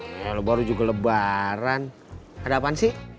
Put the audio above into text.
ya lo baru juga lebaran ada apaan sih